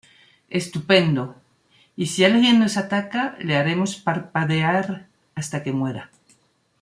Estupendo. Y si alguien nos ataca, le haremos parpadear hasta que muera.